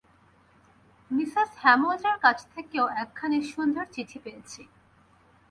Mrs হ্যামল্ডের কাছ থেকেও একখানি সুন্দর চিঠি পেয়েছি।